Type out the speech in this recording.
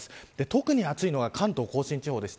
特に暑いのが関東甲信地方です。